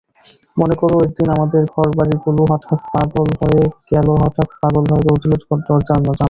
মনে করো, একদিন আমাদের ঘরবাড়িগুলোহঠাৎ পাগল হয়ে গেলহঠাৎ পাগল হয়ে দৌড় দিল দরোজা-জানালা।